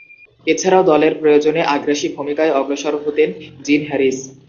এছাড়াও দলের প্রয়োজনে আগ্রাসী ভূমিকায় অগ্রসর হতেন জিন হ্যারিস।